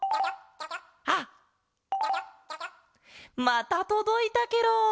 またとどいたケロ！